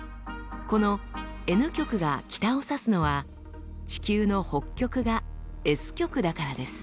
このＮ極が北を指すのは地球の北極がＳ極だからです。